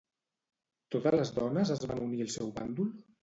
Totes les dones es van unir al seu bàndol?